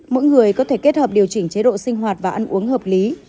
mỗi người có thể kết hợp điều chỉnh chế độ sinh hoạt và ăn uống hợp lý